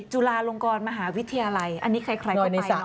จุฬาลงกรมหาวิทยาลัยอันนี้ใครก็ได้